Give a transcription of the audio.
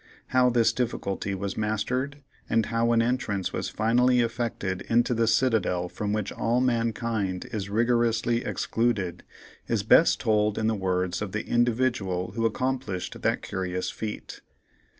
How this difficulty was mastered, and how an entrance was finally effected into the citadel from which all mankind is rigorously excluded, is best told in the words of the "Individual" who accomplished that curious feat.